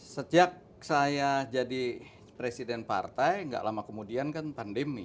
sejak saya jadi presiden partai tidak lama kemudian pandemi